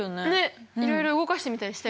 いろいろ動かしてみたりしたよね。